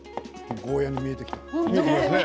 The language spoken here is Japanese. ゴーヤーに見えてきた。